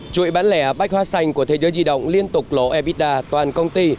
chuỗi bán lẻ bách hóa xanh của thế giới di động liên tục lộ evida toàn công ty